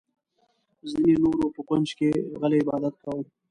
ځینې نورو په کونج کې غلی عبادت کاوه.